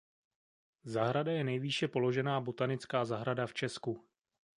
Zahrada je nejvýše položená botanická zahrada v Česku.